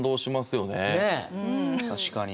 確かに。